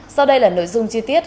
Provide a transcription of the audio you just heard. ngay sau đây là nội dung chi tiết